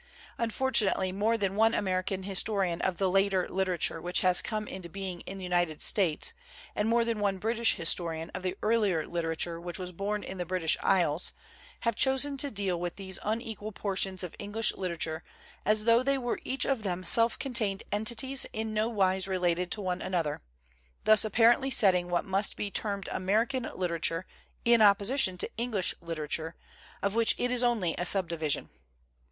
Unfortunately more than one American his torian of the later literature which has come into being in the United States and more than one British historian of the earlier literature which was born in the British Isles, have chosen to deal with these unequal portions of English literature as tho they were each of them self contained entities in no wise related to one another, thus apparently setting what must be termed American literature in opposition to English literature, of which it is only a subdivi sion.